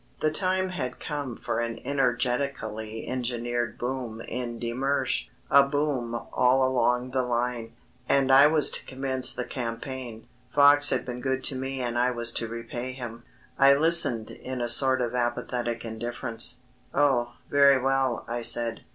The time had come for an energetically engineered boom in de Mersch a boom all along the line. And I was to commence the campaign. Fox had been good to me and I was to repay him. I listened in a sort of apathetic indifference. "Oh, very well," I said.